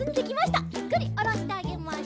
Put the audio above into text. ゆっくりおろしてあげましょう。